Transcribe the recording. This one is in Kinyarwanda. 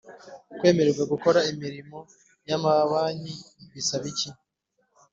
kwemererwa gukora imirimo yamabanki bisaba iki